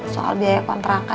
soal biaya kontrakan